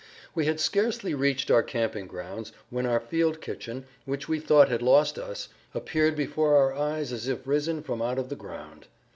We had scarcely reached our camping grounds when our field kitchen, which we thought had lost us, appeared before our eyes as if risen from out of the ground.